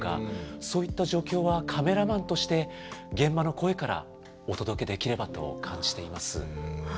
そういった状況はカメラマンとして現場の声からお届けできればと感じています。